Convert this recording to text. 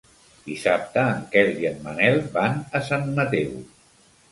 Dissabte en Quel i en Manel van a Sant Mateu.